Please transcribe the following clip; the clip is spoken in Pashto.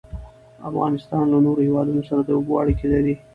افغانستان له نورو هیوادونو سره د اوبو اړیکې لري.